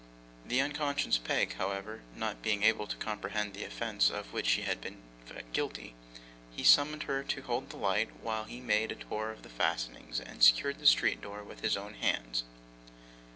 The unconscious Peg, however, not being able to comprehend the offence of which she had been guilty, he summoned her to hold the light, while he made a tour of the fastenings, and secured the street door with his own hands.